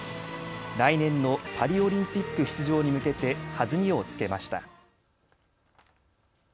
来年のパリオリンピック出場に向けて弾みをつけました。